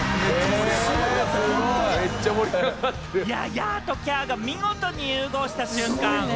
ヤ！とキャ！が見事に融合した瞬間。